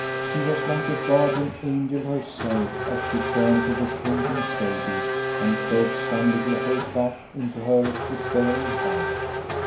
She was like a guardian angel herself as she turned to the shrinking Sadie, and coaxed some little hope back into her despairing heart.